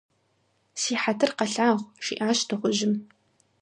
Си хьэтыр къэлъагъу, - жиӏащ дыгъужьым.